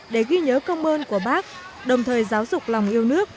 để ghi nhớ công ơn của bác đồng thời giáo dục lòng yêu nước